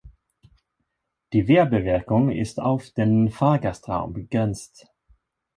Die Werbewirkung ist auf den Fahrgastraum begrenzt.